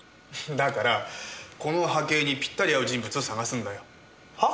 だからこの波形にぴったり合う人物を探すんだよ。は？